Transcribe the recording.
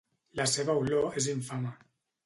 La seva olor és infame.